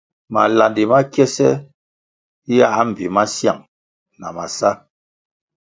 Malandi ma kiese yãh mbpi masiang na masá.